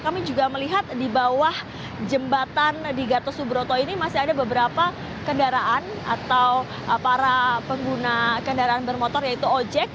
kami juga melihat di bawah jembatan di gatot subroto ini masih ada beberapa kendaraan atau para pengguna kendaraan bermotor yaitu ojek